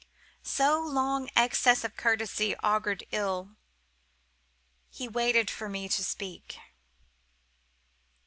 Such long excess of courtesy augured ill. He waited for me to speak.